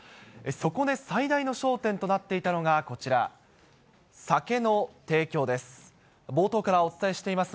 そこで最大の焦点となっていたのがこちら、酒の提供です。